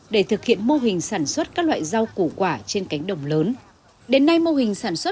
để thực hiện mô hình sản xuất các loại rau củ quả trên cánh đồng lớn